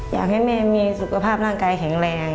อยากให้แม่มีสุขภาพร่างกายแข็งแรง